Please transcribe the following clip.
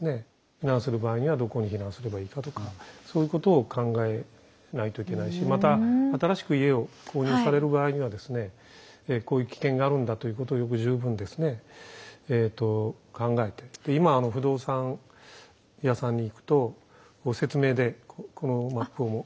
避難する場合にはどこに避難すればいいかとかそういうことを考えないといけないしまた新しく家を購入される場合にはですねこういう危険があるんだということをよく十分ですね考えて今不動産屋さんに行くと説明でこのマップも。